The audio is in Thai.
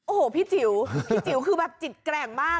โอ้โหพี่จิ๋วพี่จิ๋วคือแบบจิตแกร่งมาก